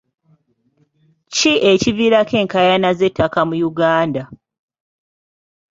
Ki ekiviirako enkaayana z'ettaka mu Uganda?